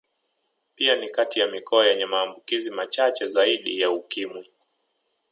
Pia ni kati ya mikoa yenye maambukizi machache zaidi ya Ukimwi